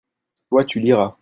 toi, tu liras.